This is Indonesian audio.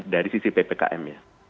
dari sisi ppkm nya